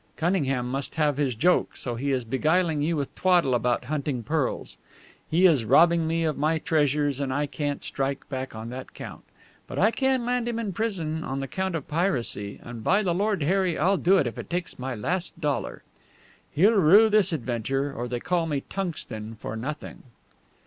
Cunningham must have his joke, so he is beguiling you with twaddle about hunting pearls. He is robbing me of my treasures, and I can't strike back on that count. But I can land him in prison on the count of piracy; and by the Lord Harry, I'll do it if it takes my last dollar! He'll rue this adventure, or they call me Tungsten for nothing!"